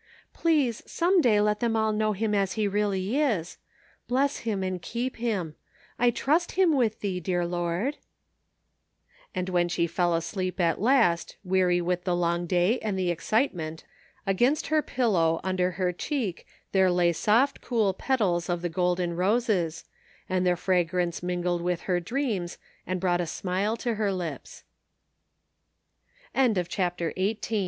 Please, some day let them all know him as he really is. Bless him and keep him. I trust him with Thee, dear Lord.'^ And when she fell asleep at last weary with the long day and the excitement, against her pillow under her cheek there lay soft cool petals of the golden roses, and their fragrance mingled with iher dreams and